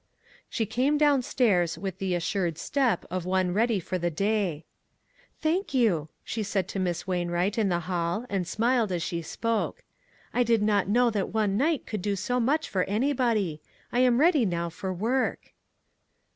She came down stairs with the assured step of one ready for the day. "Thank you," she said to Miss Wain wright in the hall, and smiled as she spoke. "I did not know that one night could do STORM AND CALM. 3/1 so much for anybody. I am ready now for work."